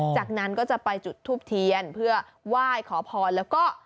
จากนั้นก็จะไปจุดทูบเทียนเพื่อไหว้ขอพรแล้วก็